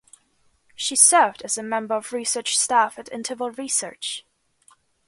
She served as a Member of the Research Staff at Interval Research.